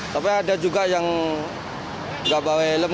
tapi ada juga yang nggak bawa helm